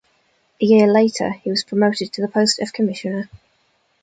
A year later, he was promoted to the post of commissioner.